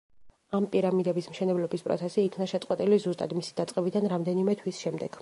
ამ პირამიდების მშენებლობის პროცესი იქნა შეწყვეტილი ზუსტად მისი დაწყებიდან რამდენიმე თვის შემდეგ.